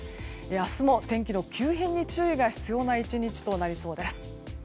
明日も天気の急変に注意が必要な１日となりそうです。